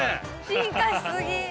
進化し過ぎ。